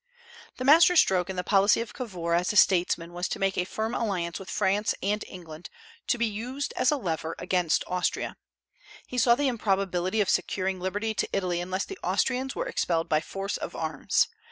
The master stroke in the policy of Cavour as a statesman was to make a firm alliance with France and England, to be used as a lever against Austria. He saw the improbability of securing liberty to Italy unless the Austrians were expelled by force of arms.